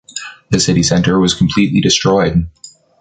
The city center was completely destroyed.